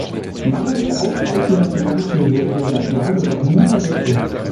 Mangels ausreichender Finanzen wurde dieser Plan jedoch nie verwirklicht.